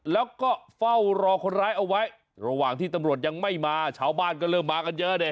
แล้วก็เฝ้ารอคนร้ายเอาไว้ระหว่างที่ตำรวจยังไม่มาชาวบ้านก็เริ่มมากันเยอะดิ